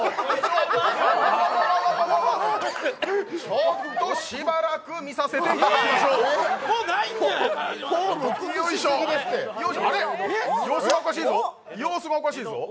ちょっとしばらく見させていただきますあれ、様子がおかしいぞ。